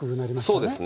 そうですね。